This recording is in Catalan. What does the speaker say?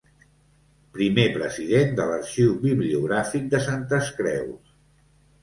Primer president de l'Arxiu Bibliogràfic de Santes Creus.